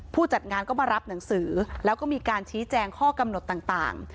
จัดงานก็มารับหนังสือแล้วก็มีการชี้แจงข้อกำหนดต่าง